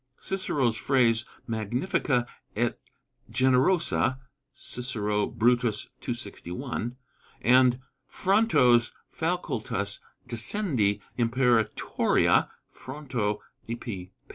Cicero's phrase "magnifica et generosa" (Cicero, Brutus, 261), and Fronto's "facultas dicendi imperatoria" (Fronto, Ep.